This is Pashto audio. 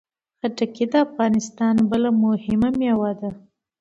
خربوزه د افغانستان بله مهمه میوه ده.